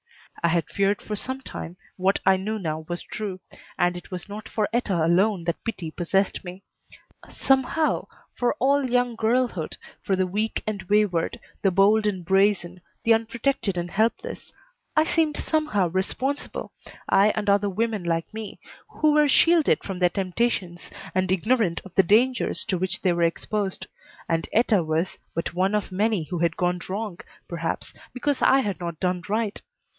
I had feared for some time what I knew now was true, and it was not for Etta alone that pity possessed me. Somehow, for all young girlhood, for the weak and wayward, the bold and brazen, the unprotected and helpless, I seemed somehow responsible, I and other women like me, who were shielded from their temptations and ignorant of the dangers to which they were exposed; and Etta was but one of many who had gone wrong, perhaps, because I had not done right.